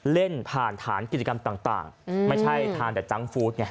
เล่นผ่านฐานกิจกรรมต่างไม่ใช่ทานแต่จังฟู้ดไง